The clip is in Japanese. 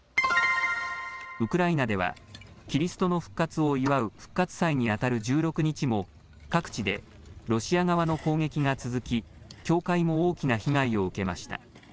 ウクライナではキリストの復活を祝う復活祭にあたる１６日も各地でロシア側の攻撃が続き教会も大きな被害を受けました。